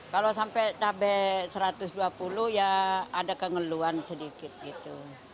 kalau sampai cabai satu ratus dua puluh ya ada keluhan sedikit gitu